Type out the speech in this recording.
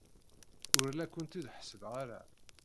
Ur la kent-id-ḥessbeɣ ara.